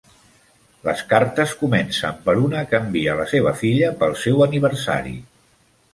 Les cartes comencen per una que envia a la seva filla pel seu aniversari.